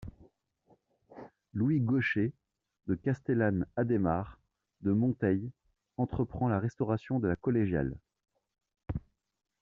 Louis-Gaucher de Castellane-Adhémar de Monteil entreprend la restauration de la collégiale.